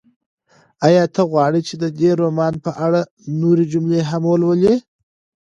ایا ته غواړې چې د دې رومان په اړه نورې جملې هم ولولې؟